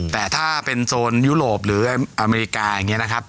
แต่ถ้าเป็นโซนยุโรปหรืออเมริกาอย่างนี้นะครับ